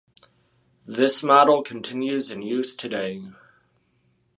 This model continues in use today.